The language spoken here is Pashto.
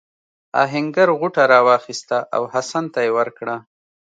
آهنګر غوټه راواخیسته او حسن ته یې ورکړه.